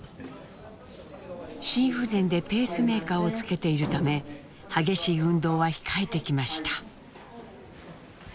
心不全でペースメーカーをつけているため激しい運動は控えてきました。